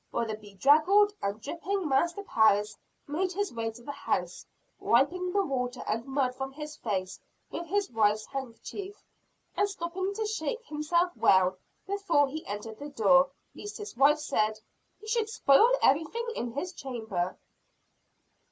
While the bedraggled and dripping Master Parris made his way to the house wiping the water and mud from his face with his wife's handkerchief, and stopping to shake himself well, before he entered the door, lest, as his wife said, "he should spoil everything in his chamber."